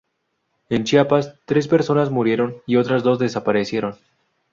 En Chiapas, tres personas murieron y otras dos desaparecieron.